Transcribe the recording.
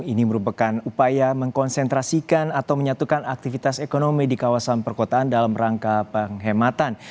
ini merupakan upaya mengkonsentrasikan atau menyatukan aktivitas ekonomi di kawasan perkotaan dalam rangka penghematan